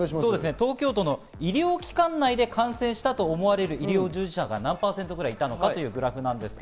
東京都の医療機関内で感染したと思われる医療従事者が何％ぐらいいたのかというグラフです。